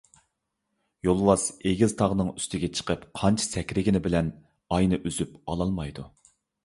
يولۋاس ئېگىز تاغنىڭ ئۈستىگە چىقىپ قانچە سەكرىگىنى بىلەن ئاينى ئۈزۈپ ئالالمايدۇ.